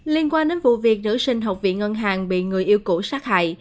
liên quan đến vụ việc nữ sinh học viện ngân hàng bị người yêu cũ sát hại